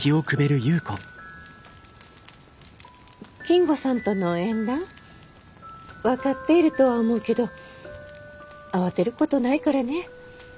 金吾さんとの縁談分かっているとは思うけど慌てることないからね。